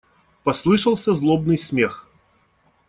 Послышался злобный смех.